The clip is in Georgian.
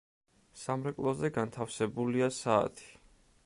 სამრეკლოზე განთავსებულია საათი.